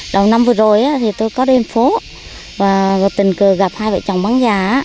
đầu năm vừa rồi thì tôi có đến phố và tình cờ gặp hai vợ chồng bán gà